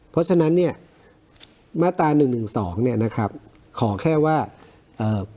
เพราะฉะนั้นเนี้ยมาตาย๑๑๒เนี้ยนะครับขอแค่ว่าเอ่อ